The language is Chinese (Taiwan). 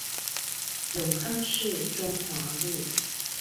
永康市中華路